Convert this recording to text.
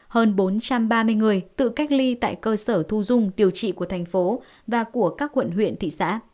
hơn bốn trăm ba mươi người tự cách ly tại cơ sở thu dung điều trị của thành phố và của các quận huyện thị xã